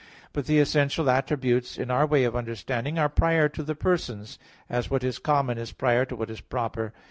But the essential attributes, in our way of understanding, are prior to the persons; as what is common is prior to what is proper.